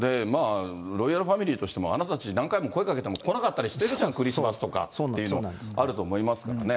ロイヤルファミリーとしても、あなたたち、何回も声かけても来なかったりしてるじゃん、クリスマスとかっていうの、あると思いますからね。